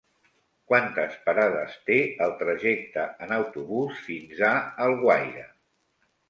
Quantes parades té el trajecte en autobús fins a Alguaire?